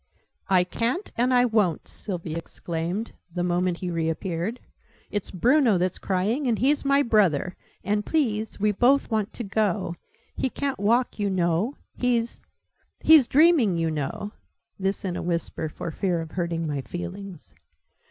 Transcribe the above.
"I ca'n't, and I won't!" Sylvie exclaimed, the moment he reappeared. "It's Bruno that's crying: and he's my brother: and, please, we both want to go: he ca'n't walk, you know: he's he's dreaming, you know" (this in a whisper, for fear of hurting my feelings).